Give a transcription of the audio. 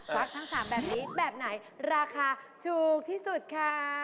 ฟักทั้ง๓แบบนี้แบบไหนราคาถูกที่สุดคะ